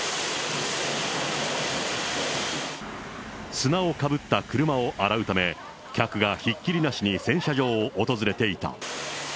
砂をかぶった車を洗うため、客がひっきりなしに洗車場を訪れていた。